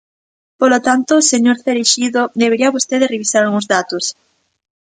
Polo tanto, señor Cereixido, debería vostede revisar algúns datos.